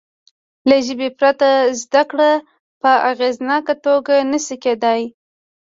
له ژبې پرته زده کړه په اغېزناکه توګه نه شي کېدای.